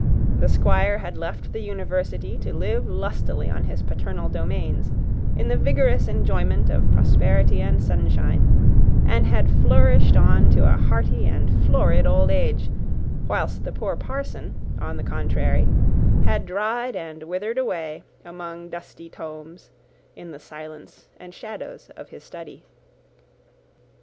The Squire had left the university to live lustily on his paternal domains, in the vigorous enjoyment of prosperity and sunshine, and had flourished on to a hearty and florid old age; whilst the poor parson, on the contrary, had dried and withered away, among dusty tomes, in the silence and shadows of his study.